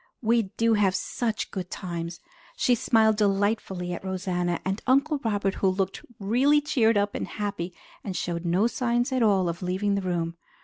We do have such good times!" She smiled delightfully at Rosanna and at Uncle Robert, who looked really cheered up and happy and showed no signs at all of leaving the room.